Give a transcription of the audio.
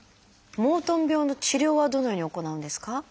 モートン病の治療はどのように行うんですか？